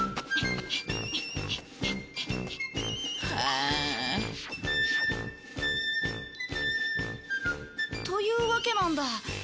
はあ。というわけなんだ。